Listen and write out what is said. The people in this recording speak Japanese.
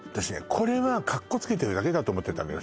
これはカッコつけてるだけだと思ってたのよ